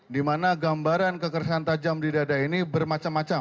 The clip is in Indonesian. dimana gambaran kekerasan tajam di dada ini bermacam macam